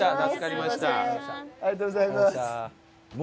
ありがとうございます。